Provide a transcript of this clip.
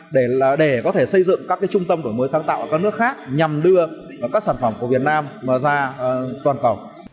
để có thể xây dựng các trung tâm đổi mới sáng tạo ở các nước khác nhằm đưa các sản phẩm của việt nam ra toàn cầu